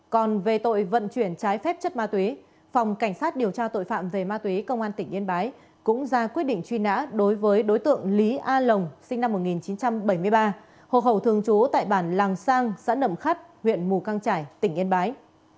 còn về tội vận chuyển trái phép chất ma túy phòng cảnh sát điều tra tội phạm về ma túy công an tỉnh yên bái cũng ra quyết định truy nã đối với đối tượng lý a lồng sinh năm một nghìn chín trăm bảy mươi ba hộ khẩu thường trú tại bản làng sang xã nậm khắt huyện mù căng trải tỉnh yên bái